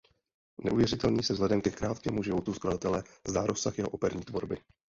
Neuvěřitelný se vzhledem ke krátkému životu skladatele zdá rozsah jeho operní tvorby.